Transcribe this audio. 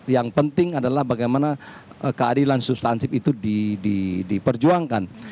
yang penting adalah bagaimana keadilan substansif itu diperjuangkan